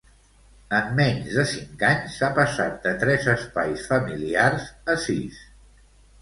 En menys de cinc anys, s'ha passat de tres espais familiars a sis.